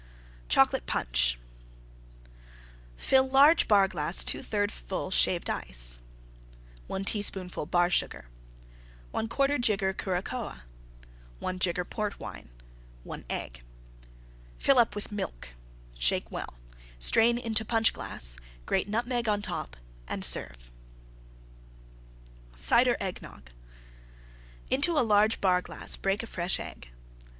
CHOCOLATE PUNCH Fill large Bar glass 2/3 full Shaved Ice. 1 teaspoonful Bar Sugar. 1/4 jigger Curacoa. 1 jigger Port Wine. 1 Egg. Fill up with Milk; shake well; strain into Punch glass; grate Nutmeg on top and serve. CIDER EGGNOG Into a large Bar glass break a fresh Egg.